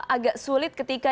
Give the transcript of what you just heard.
agak sulit ketika